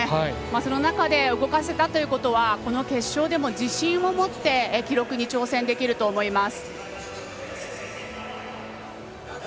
その中で、動かせたということはこの決勝でも自信を持って記録に挑戦できると思います。